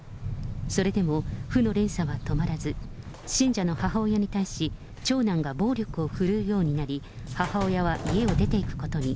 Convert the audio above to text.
それでも、負の連鎖は止まらず、信者の母親に対し、長男が暴力を振るうようになり、母親は家を出ていくことに。